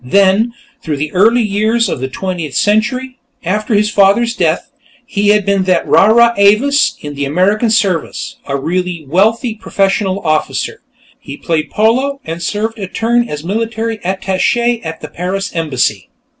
Then, through the early years of the Twentieth Century, after his father's death, he had been that rara avis in the American service, a really wealthy professional officer. He had played polo, and served a turn as military attache at the Paris embassy.